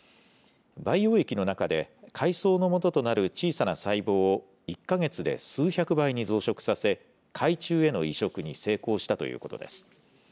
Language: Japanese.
培養液の中で、海藻のもととなる小さな細胞を１か月で数百倍に増殖させ、海中への移植に成功したということです。